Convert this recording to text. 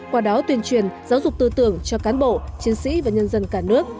qua đó tuyên truyền giáo dục tư tưởng cho cán bộ chiến sĩ và nhân dân cả nước